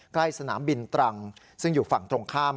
ใกล้สนามบินตรังซึ่งอยู่ฝั่งตรงข้าม